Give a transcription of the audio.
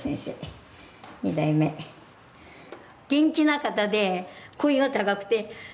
元気な方で声が高くて。